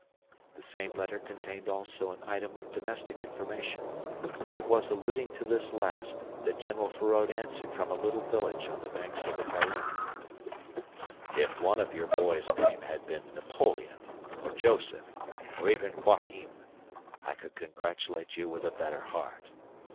The same letter contained also an item of domestic information. It was alluding to this last that General Feraud answered from a little village on the banks of the Garonne: "If one of your boy's names had been Napoleon, or Joseph, or even Joachim, I could congratulate you with a better heart.